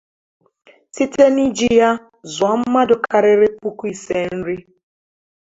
site n'iji ya zụọ mmadụ karịrị puku ise nri